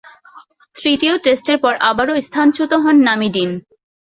তৃতীয় টেস্টের পর আবারও স্থানচ্যুত হন নামি ডিন।